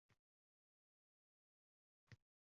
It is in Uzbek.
Qolganlar umrning